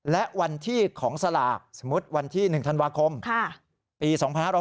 และวันที่ของสลากสมมุติวันที่๑ธันวาคมปี๒๕๖๐